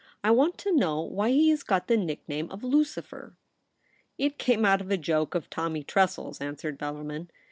I want to know why he has got the nickname of " Lucifer "?'' It came out of a joke of Tommy Tres sel's,' answ^ered Bellarmin.